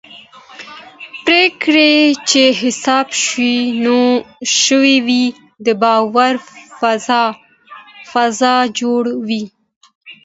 پرېکړې چې حساب شوي وي د باور فضا جوړوي